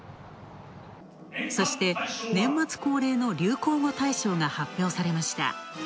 そして、年末恒例の流行語大賞が発表されました。